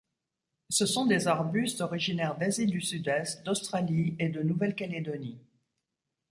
Ce sont des arbustes originaires d'Asie du Sud-Est, d'Australie et de Nouvelle-Calédonie.